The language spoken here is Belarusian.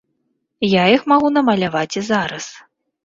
Я іх магу намаляваць і зараз.